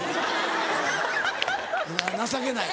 情けない。